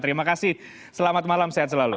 terima kasih selamat malam sehat selalu